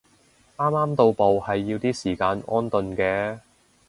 啱啱到埗係要啲時間安頓嘅